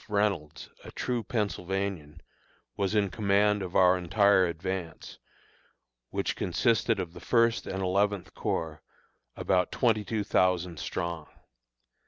Reynolds, a true Pennsylvanian, was in command of our entire advance, which consisted of the First and Eleventh Corps, about twenty two thousand strong.